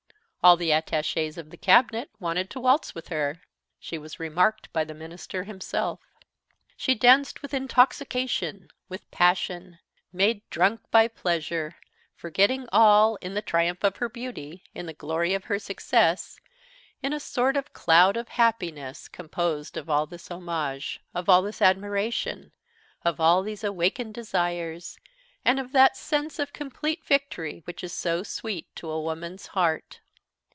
All the attachés of the Cabinet wanted to waltz with her. She was remarked by the minister himself. She danced with intoxication, with passion, made drunk by pleasure, forgetting all, in the triumph of her beauty, in the glory of her success, in a sort of cloud of happiness composed of all this homage, of all this admiration, of all these awakened desires, and of that sense of complete victory which is so sweet to woman's heart.